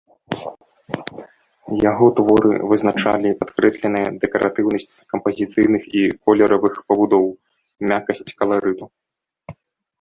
Яго творы вызначалі падкрэсленая дэкаратыўнасць кампазіцыйных і колеравых пабудоў, мяккасць каларыту.